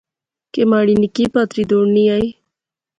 کہ مہاڑی نکی پہاتری دوڑنی آئی